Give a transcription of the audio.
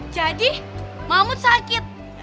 jadi mahmud sakit